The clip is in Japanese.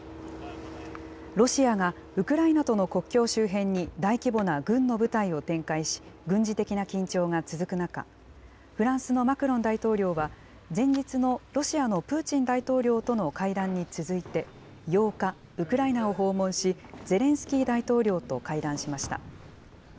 ロシアが、ウクライナとの国境周辺に大規模な軍の部隊を展開し、軍事的な緊張が続く中、フランスのマクロン大統領は、前日のロシアのプーチン大統領との会談に続いて、８日、ウクライナを訪問し、ゼレンスキー大統領と会談しました。